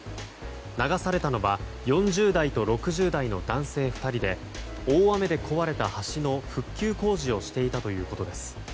流されたのは４０代と６０代の男性２人で大雨で壊れた橋の復旧工事をしていたということです。